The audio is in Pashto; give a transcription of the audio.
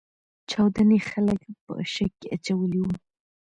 چاودنې خلګ په شک کې اچولي وو.